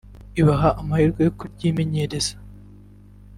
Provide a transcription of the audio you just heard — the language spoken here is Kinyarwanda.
ibaha amahirwe yo kuryimenyereza